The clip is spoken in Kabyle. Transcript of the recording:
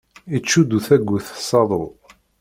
Ittcuddu tagut s aḍu.